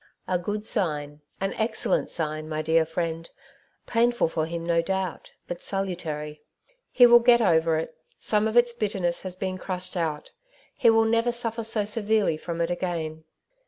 ''A good sign — an excellent sign, my dear friend ; painful forhim^ no doubt^ bat salntarj. He will get over it; some of its bitterness has been crashed out. He will never suflFer so severely from it again.